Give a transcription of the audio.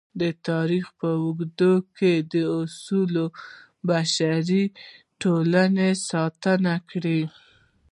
د تاریخ په اوږدو کې اصول د بشري ټولنې ساتنه کړې.